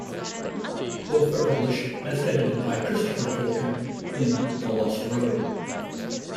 Both are published, as edited by Christopher Tolkien, in "The Lost Road".